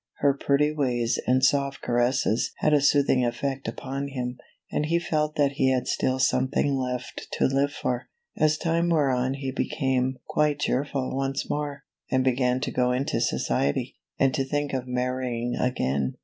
Her pretty ways and soft caresses had a soothing effect upon him, and he felt that he had still something left to live for. As time wore on he became quite cheerful once more, and began to go into society, and to think of marrying again.